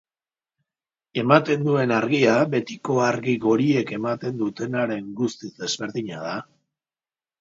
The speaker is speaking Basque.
Ematen duen argia betiko argi goriek ematen dutenaren guztiz desberdina da.